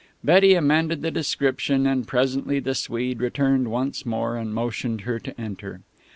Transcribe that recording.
Betty amended the description, and presently the Swede returned once more, and motioned her to enter.